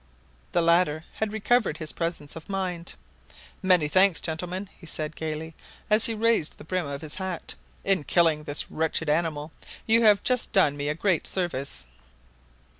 The latter had recovered his presence of mind. "Many thanks, gentlemen," said he gayly, as he raised the brim of his hat; "in killing this wretched animal you have just done me a great service!"